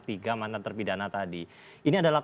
tiga mantan terpidana tadi ini adalah